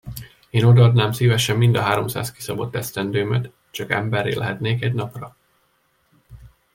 Én odaadnám szívesen mind a háromszáz kiszabott esztendőmet, csak emberré lehetnék egy napra!